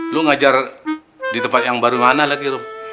lu ngajar di tempat yang baru mana lagi lo